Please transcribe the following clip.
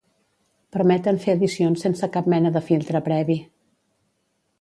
Permeten fer edicions sense cap mena de filtre previ.